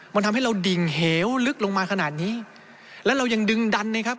มันทำให้เราดิ่งเหวลึกลงมาขนาดนี้แล้วเรายังดึงดันนะครับ